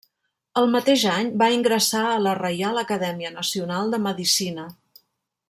El mateix any va ingressar a la Reial Acadèmia Nacional de Medicina.